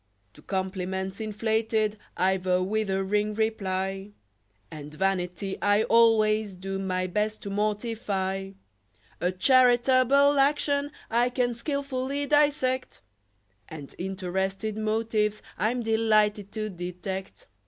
To compliments inflated I've a withering reply; And vanity I always do my best to mortify; A charitable action I can skilfully dissect: And interested motives I'm delighted to detect.